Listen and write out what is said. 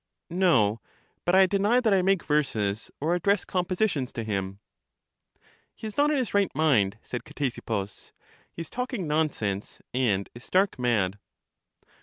No ; but I deny that I make verses or address com positions to him. He is not in his right mind, said Ctesippus; he is talking nonsense, and is stark mad.